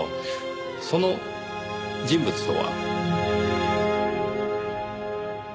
その人物とは。